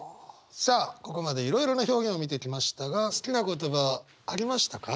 さあここまでいろいろな表現を見てきましたが好きな言葉ありましたか？